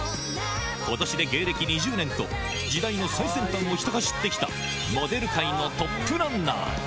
ことしで芸歴２０年と、時代の最先端をひた走ってきたモデル界のトップランナー。